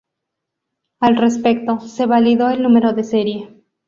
Al respecto, se validó el número de serie.